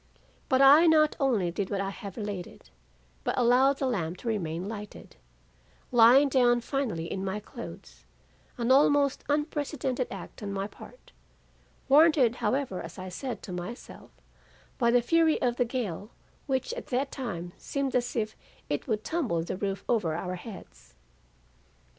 But I not only did what I have related, but allowed the lamp to remain lighted, lying down finally in my clothes; an almost unprecedented act on my part, warranted however as I said to myself, by the fury of the gale which at that time seemed as if it would tumble the roof over our heads.